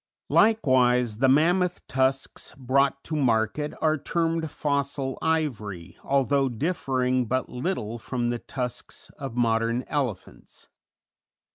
Likewise the mammoth tusks brought to market are termed fossil ivory, although differing but little from the tusks of modern elephants.